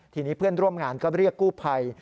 ทีนี้เพื่อนร่วมงานก็เรียกกู้ภัย